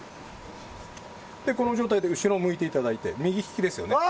この状態で後ろを向いていただいて右利きですよね。